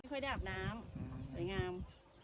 ค่อยได้อาบน้ำสวยงาม